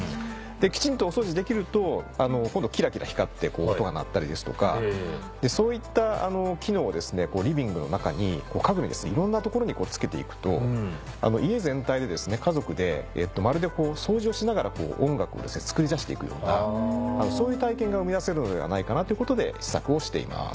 きちんとお掃除できると今度キラキラ光って音が鳴ったりですとかそういった機能をリビングの中に家具にいろんなところにつけていくと家全体で家族でまるで掃除をしながら音楽を作り出していくようなそういう体験が生み出せるのではないかなということで試作をしています。